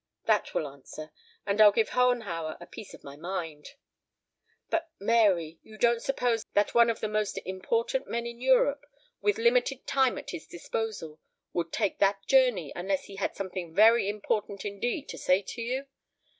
"That will answer. And I'll give Hohenhauer a piece of my mind." "But, Mary, you don't suppose that one of the most important men in Europe, with limited time at his disposal, would take that journey unless he had something very important indeed to say to you?